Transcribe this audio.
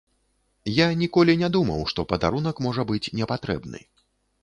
Я ніколі не думаў, што падарунак можа быць не патрэбны.